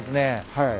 はい。